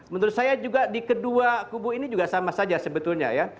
menurut saya juga di kedua kubu ini juga sama saja sebetulnya ya